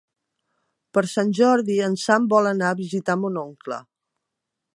Per Sant Jordi en Sam vol anar a visitar mon oncle.